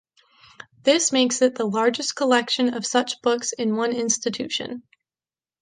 This makes it the largest collection of such books in one institution.